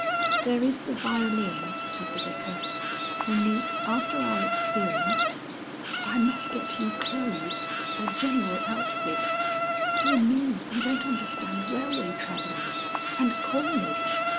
"There is the violin," said the Vicar. "Only after our experience " "I must get you clothes a general outfit. Dear me! you don't understand railway travelling! And coinage!